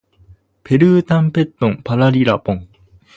ペルータンペットンパラリラポン